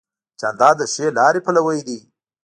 جانداد د ښې لارې پلوی دی.